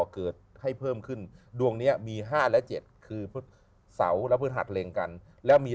เกิดให้เพิ่มขึ้นดวงนี้มี๕และ๗คือเสาและพฤหัสเล็งกันแล้วมี